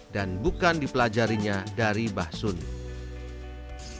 dan bukan dipelajarinya dari tionghoa